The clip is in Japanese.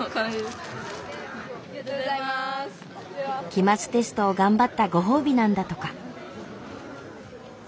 期末テストを頑張ったご褒美なんだとか。